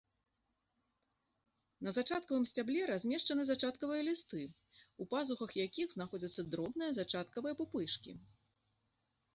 На зачаткавым сцябле размешчаны зачаткавыя лісты, у пазухах якіх знаходзяцца дробныя зачаткавыя пупышкі.